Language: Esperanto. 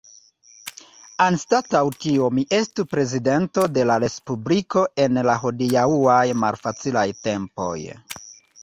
Anstataŭ tio mi estu prezidento de la respubliko en la hodiaŭaj malfacilaj tempoj.